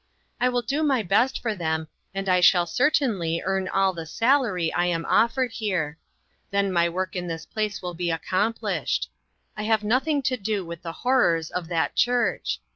I will do my best for them, and I shall certainly 76 INTERRUPTED. earn all the salar} T I am offered here; then my work in this place will be accomplished. I have nothing to do with the horrors of that church.